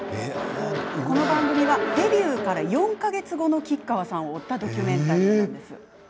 この番組は、デビュー４か月後の吉川さんを追ったドキュメンタリー。